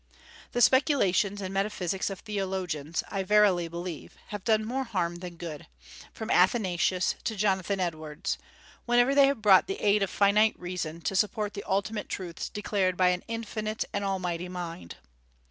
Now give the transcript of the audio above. The speculations and metaphysics of theologians, I verily believe, have done more harm than good, from Athanasius to Jonathan Edwards, whenever they have brought the aid of finite reason to support the ultimate truths declared by an infinite and almighty mind.